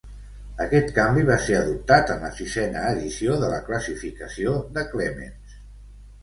Aquest canvi va ser adoptat en la sisena edició de la classificació de Clements.